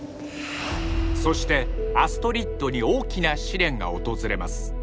そしてアストリッドに大きな試練が訪れます